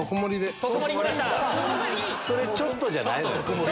それちょっとじゃないのよ。